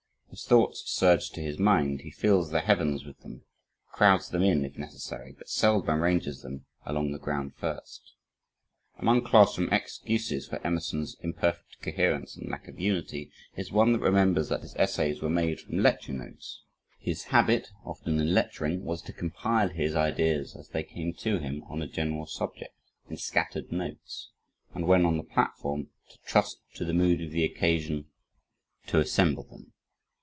As thoughts surge to his mind, he fills the heavens with them, crowds them in, if necessary, but seldom arranges them, along the ground first. Among class room excuses for Emerson's imperfect coherence and lack of unity, is one that remembers that his essays were made from lecture notes. His habit, often in lecturing, was to compile his ideas as they came to him on a general subject, in scattered notes, and when on the platform, to trust to the mood of the occasion, to assemble them.